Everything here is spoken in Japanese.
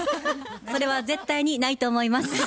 それは絶対にないと思います。